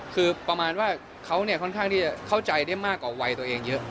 คือประมาณว่าเขาค่อนข้างที่จะเข้าใจได้มากกว่าวัยตัวเองเยอะ